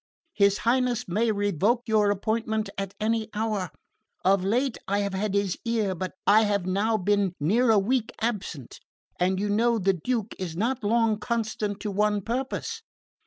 His Highness may revoke your appointment at any hour. Of late I have had his ear, but I have now been near a week absent, and you know the Duke is not long constant to one purpose.